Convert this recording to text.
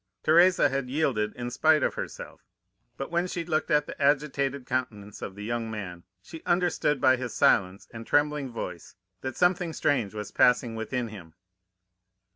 Teresa had yielded in spite of herself, but when she looked at the agitated countenance of the young man, she understood by his silence and trembling voice that something strange was passing within him.